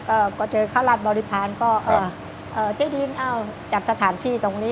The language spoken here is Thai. ก็เจอข้าราชบริพาณก็เอ่อเจ๊ดินเอ้าจับสถานที่ตรงนี้